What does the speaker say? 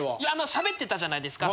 しゃべってたじゃないですか。